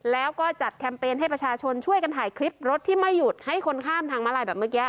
แล้วก็จัดแคมเปญให้ประชาชนช่วยกันถ่ายคลิปรถที่ไม่หยุดให้คนข้ามทางมาลายแบบเมื่อกี้